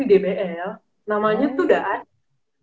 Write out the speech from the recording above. di dbl namanya tuh udah ada